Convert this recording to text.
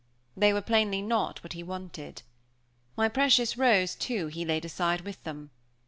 They were plainly not what he wanted. My precious rose, too, he laid aside with them.